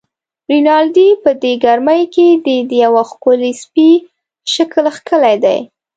رینالډي: په دې ګرمۍ کې دې د یوه ښکلي سپي شکل کښلی دی.